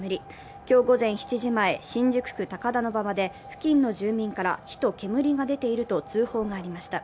今日午前７時前、新宿区高田馬場で付近の住民から火と煙が出ていると通報がありました。